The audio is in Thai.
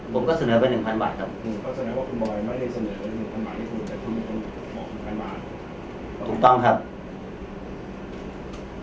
ผมก็เสนอไปหนึ่งพันบาทครับคุณบอยไม่ได้เสนอไปหนึ่งพันบาท